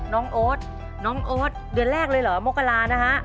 โอ๊ตน้องโอ๊ตเดือนแรกเลยเหรอมกรานะฮะ